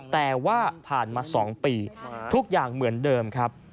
แต่ว่าผ่านมา๒ปีทุกอย่างเหมือนเดิมครับ